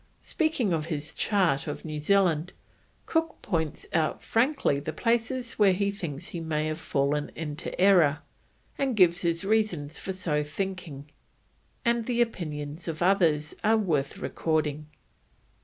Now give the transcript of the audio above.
Speaking of his chart of New Zealand, Cook points out frankly the places where he thinks he may have fallen into error, and gives his reasons for so thinking, and the opinions of others are worth recording.